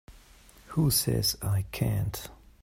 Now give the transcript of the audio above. Who says I can't?